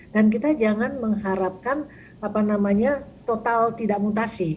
dan kita jangan mengharapkan total tidak mutasi